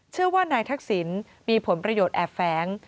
เชื่อว่านายทักษิณมีผลประโยชน์แอบแฟ้ง